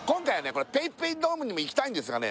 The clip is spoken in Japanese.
これＰａｙＰａｙドームにも行きたいんですがね